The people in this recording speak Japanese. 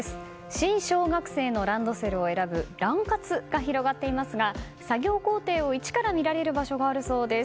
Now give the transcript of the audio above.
新小学生のランドセルを選ぶラン活が広がっていますが作業工程を一から見られる場所があるそうです。